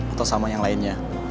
atau sama yang lainnya